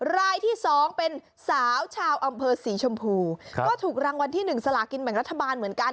รายที่๒เป็นสาวชาวอำเภอศรีชมพูก็ถูกรางวัลที่๑สลากินแบ่งรัฐบาลเหมือนกัน